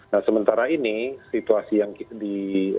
nah sementara ini situasi yang di